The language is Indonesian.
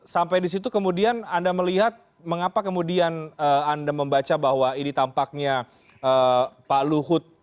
sampai di situ kemudian anda melihat mengapa kemudian anda membaca bahwa ini tampaknya pak luhut